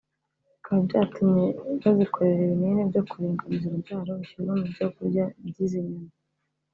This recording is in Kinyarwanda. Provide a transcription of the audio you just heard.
bikaba byatumye bazikorera ibinini byo kuringaniza urubyaro bishyirwa mu byo kurya by’izi nyoni